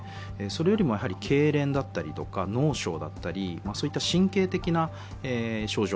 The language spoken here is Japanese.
それよりもけいれんだったり脳症だったり、そういった神経的な症状、